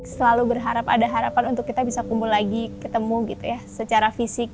selalu berharap ada harapan untuk kita bisa kumpul lagi ketemu gitu ya secara fisik